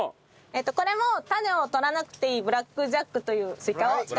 これも種を取らなくていいブラックジャックというスイカを使います。